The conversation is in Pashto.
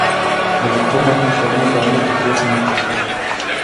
د پښتو متن څېړني کارونه په درو سيمو کي سوي دي.